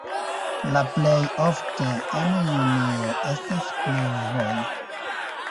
La plej ofte en junio estas pluvoj.